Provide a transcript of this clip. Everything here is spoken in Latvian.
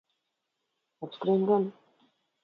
Atskrien gan.